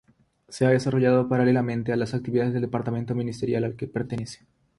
Se ha desarrollado paralelamente a las actividades del Departamento Ministerial al que pertenece.